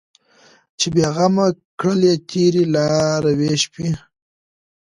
چې بې غمه کړلې تېرې لاروي شپې